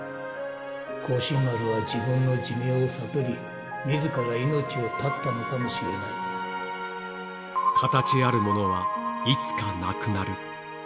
光進丸は自分の寿命を悟り、みずから命を絶ったのかもしれな形あるものは、いつかなくなる。